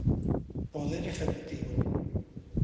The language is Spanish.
Poder Ejecutivo.